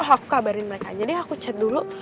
aku kabarin mereka aja deh aku chat dulu